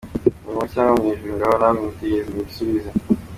Mu muriro cyangwa mu ijuru?” Ngaho namwe nimugitekerezeho mugisubize.